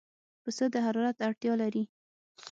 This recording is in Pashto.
پسه د حرارت اړتیا لري.